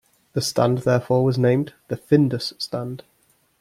The stand therefore was named the "Findus Stand".